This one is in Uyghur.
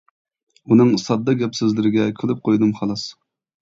ئۇنىڭ ساددا گەپ-سۆزلىرىگە كۈلۈپ قويدۇم خالاس.